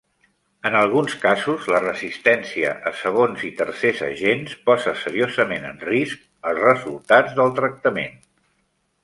En alguns casos, la resistència a segons i tercers agents posa seriosament en risc els resultats del tractament.